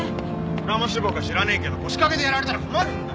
ドラマ志望か知らねえけど腰掛けでやられたら困るんだよ！